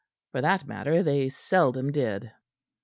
For that matter, they seldom did.